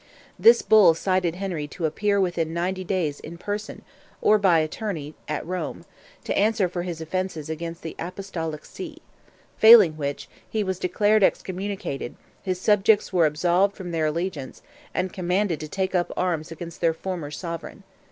This Bull cited Henry to appear within ninety days in person, or by attorney, at Rome, to answer for his offences against the Apostolic See; failing which, he was declared excommunicated, his subjects were absolved from their allegiance, and commanded to take up arms against their former sovereign.